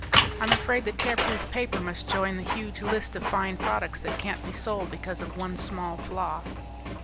I'm afraid the 'Tearproof Paper' must join the huge list of fine products that can't be sold because of one small flaw."